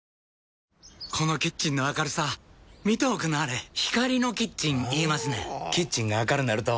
このキッチンの明るさ見ておくんなはれ光のキッチン言いますねんほぉキッチンが明るなると・・・